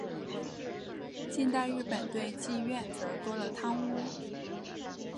近代日本对妓院则多了汤屋。